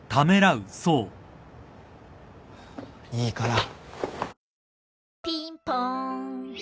いいから。